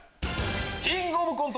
『キングオブコント』？